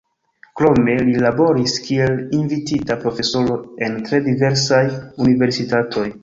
Krome li laboris kiel invitita profesoro en tre diversaj universitatoj.